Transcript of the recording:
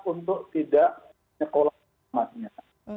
untuk tidak menyekolahkan anaknya